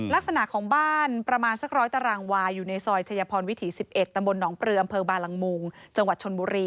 ลักษณะของบ้านประมาณสักร้อยตารางวาอยู่ในซอยชายพรวิถี๑๑ตำบลหนองปลืออำเภอบาลังมุงจังหวัดชนบุรี